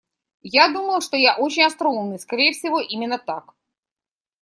Я думал, что я очень остроумный, скорее всего, именно так.